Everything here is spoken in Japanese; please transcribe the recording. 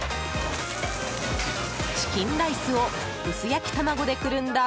チキンライスを薄焼き卵でくるんだ